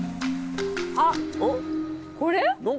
あっこれ？